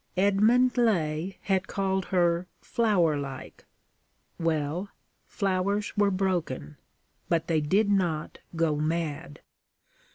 Edmund Laye had called her flower like. Well: flowers were broken, but they did not go mad.